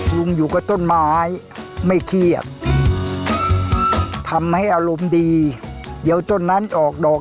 อยู่กับต้นไม้ไม่เครียดทำให้อารมณ์ดีเดี๋ยวต้นนั้นออกดอก